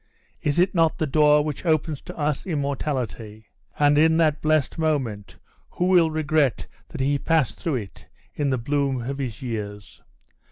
Is it not the door which opens to us immortality? and in that blest moment who will regret that he passed through it in the bloom of his years?